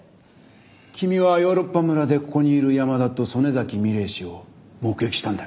君はヨーロッパ村でここにいる山田と曽根崎ミレイ氏を目撃したんだよな？